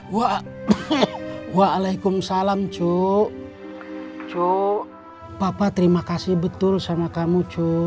happy driver waalaikum salam choo choo papa terima kasih betul sama kamu choo